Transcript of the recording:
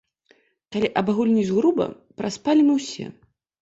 Калі абагульніць груба, праспалі мы ўсе.